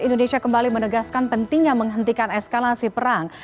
indonesia kembali menegaskan pentingnya menghentikan eskalasi perang